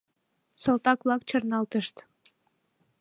Салтак-влак чарналтышт.